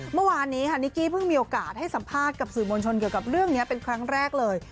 เมื่อวานนี้ค่ะนิกกี้เพิ่งมีโอกาสให้สัมภาษณ์กับสื่อมวลชนเกี่ยวกับเรื่องนี้เป็นครั้งแรกเลย